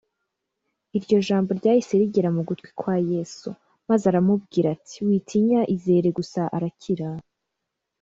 iryo jambo ryahise rigera mu gutwi kwa yesu, maze aramubwira ati: “witinya, izere gusa arakira